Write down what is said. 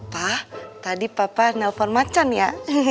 pa tadi papa nelpon macan ya